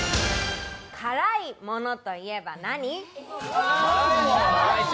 辛いものといえば何？